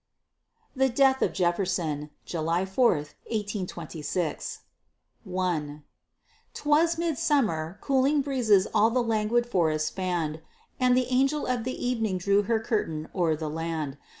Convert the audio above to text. THE DEATH OF JEFFERSON [July 4, 1826] I 'Twas midsummer; cooling breezes all the languid forests fanned, And the angel of the evening drew her curtain o'er the land.